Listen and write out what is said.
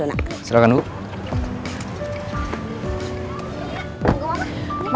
nanti dia akan datang ke sekolah reina